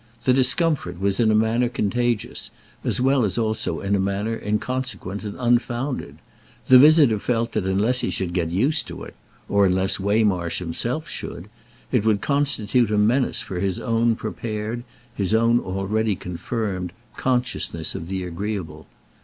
The discomfort was in a manner contagious, as well as also in a manner inconsequent and unfounded; the visitor felt that unless he should get used to it—or unless Waymarsh himself should—it would constitute a menace for his own prepared, his own already confirmed, consciousness of the agreeable.